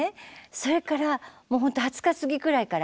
それから２０日過ぎくらいから